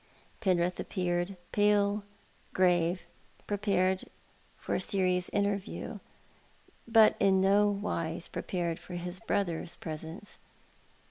Penrith appeared, pale, grave, prepared for a serious inter view, but in no wise prepared for his brother's presence.